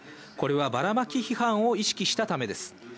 これはばらまき批判を意識したためです。